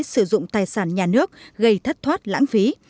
sử dụng tài sản nhà nước gây thất thoát lãng phí